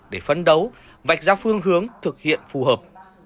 để phấn đấu vạch ra phương hướng thực hiện phù hợp